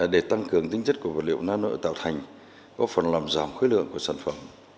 để tăng cường tính chất của vật liệu nano tạo thành góp phần làm giảm khối lượng của sản phẩm